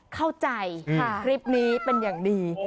เข้าใจคลิปนี้เป็นอย่างดี